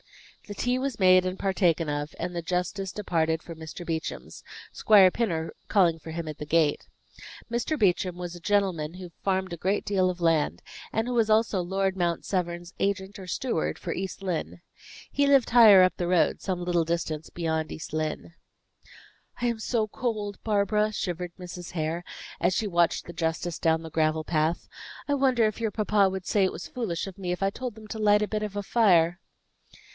The tea was made and partaken of, and the justice departed for Mr. Beauchamp's, Squire Pinner calling for him at the gate. Mr. Beauchamp was a gentleman who farmed a great deal of land, and who was also Lord Mount Severn's agent or steward for East Lynne. He lived higher up the road some little distance beyond East Lynne. "I am so cold, Barbara," shivered Mrs. Hare, as she watched the justice down the gravel path. "I wonder if your papa would say it was foolish of me, if I told them to light a bit of fire?"